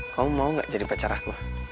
kamu mau gak jadi pacar aku